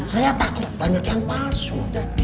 saya takut banyak yang palsu